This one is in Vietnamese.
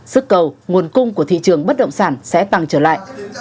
sức cầu nguồn cung của thị trường bất động sản sẽ tăng trở lại